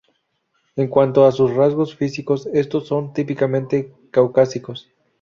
En cuanto a sus rasgos físicos, estos son típicamente caucásicos.